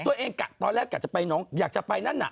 ตัวเองตอนแรกกัดจะไปห๊อกจะไปนั่นน่ะ